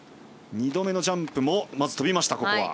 ２度目のジャンプもとびました。